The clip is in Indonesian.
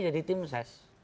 dari tim ses